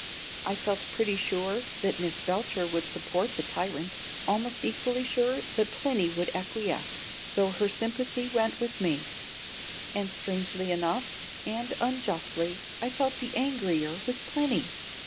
I felt pretty sure that Miss Belcher would support the tyrant; almost equally sure that Plinny would acquiesce, though her sympathy went with me; and strangely enough, and unjustly, I felt the angrier with Plinny.